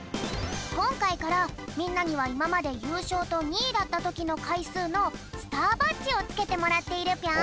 こんかいからみんなにはいままでゆうしょうと２いだったときのかいすうのスターバッジをつけてもらっているぴょん。